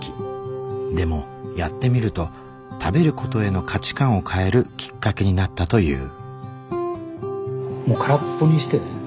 でもやってみると食べることへの価値観を変えるきっかけになったという。